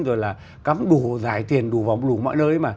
rồi là cấm đủ giải tiền đủ vòng lủ mọi nơi